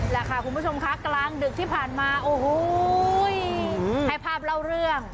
แหละค่ะคุณผู้ชมคะกลางดึกที่ผ่านมาโอ้โหให้ภาพเล่าเรื่อง